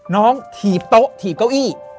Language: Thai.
ถีบโต๊ะถีบเก้าอี้